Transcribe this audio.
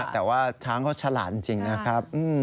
แต่ว่าช้างเขาฉลาดจริงนะครับ